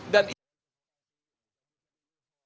dan itu dikita